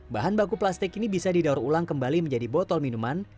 bahan baku plastik ini bisa didaur ulang kembali menjadi botol minuman